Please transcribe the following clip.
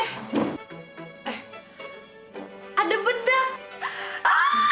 eh ada bedak